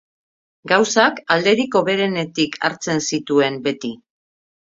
Gauzak alderik hoberenetik hartzen zituen beti.